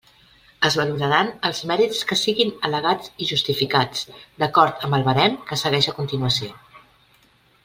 Es valoraran els mèrits que siguin al·legats i justificats d'acord amb el barem que segueix a continuació.